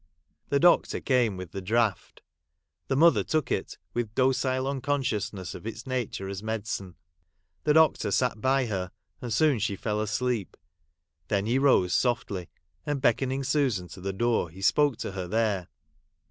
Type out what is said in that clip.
The doctor came with the draught. The mother took it, with docile unconsciousness of its nature as medecine. The doctor sat by her j and soon she fell asleep. Then he rose softly, and beckoning Susan to the door, he spoke to her there.